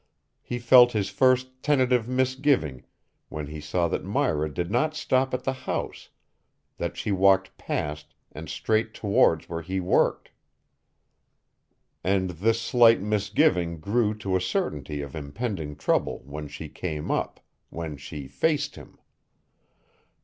He felt his first tentative misgiving when he saw that Myra did not stop at the house, that she walked past and straight towards where he worked. And this slight misgiving grew to a certainty of impending trouble when she came up, when she faced him.